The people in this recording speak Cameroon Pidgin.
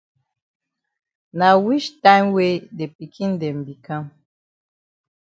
Na wich time wey de pikin dem be kam?